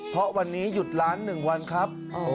เพราะวันนี้หยุดร้าน๑วันครับ